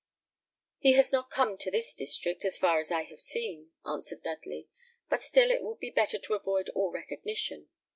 "He has not come to this district, as far as I have seen," answered Dudley; "but still it would be better to avoid all recognition.